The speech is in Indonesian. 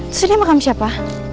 terus ini makam siapa